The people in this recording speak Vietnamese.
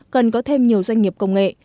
cần có thêm nhiều doanh nghiệp công nghệ